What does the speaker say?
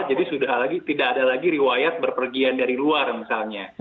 jadi sudah tidak ada lagi riwayat berpergian dari luar misalnya